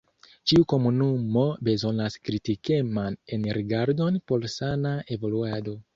Ĉiu komunumo bezonas kritikeman enrigardon por sana evoluado.